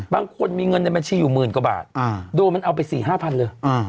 บางคนมีเงินในบัญชีอยู่หมื่นกว่าบาทโดนมันเอาไป๔๕๐๐เลย